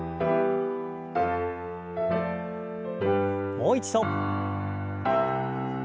もう一度。